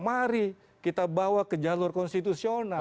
mari kita bawa ke jalur konstitusional